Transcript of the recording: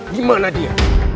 di mana dia